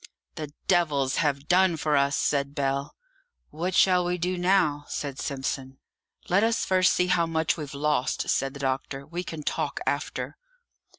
"The devils have done for us!" said Bell. "What shall we do now?" said Simpson. "Let us first see how much we've lost," said the doctor; "we can talk after."